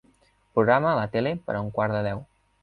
Programa la tele per a un quart de deu.